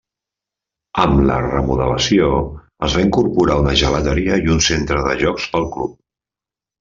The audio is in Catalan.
Amb la remodelació, es va incorporar una gelateria i un centre de jocs pel club.